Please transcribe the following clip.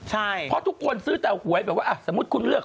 ใช่เพราะทุกคนซื้อแต่หวยแบบว่าสมมุติคุณเลือก